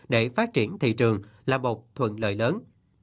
để phát triển thị trường là một thuận lợi lớn